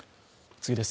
次です。